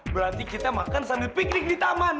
berarti kita makan sambil piknik di taman